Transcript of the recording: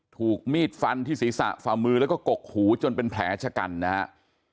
ถูกมีดฟันที่ศีรษะฝ่ามือแล้วก็กกหูจนเป็นแผลชะกันนะครับ